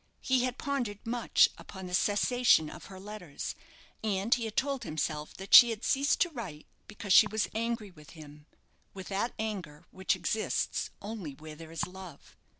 He had pondered much upon the cessation of her letters; and he had told himself that she had ceased to write because she was angry with him with that anger which exists only where there is love.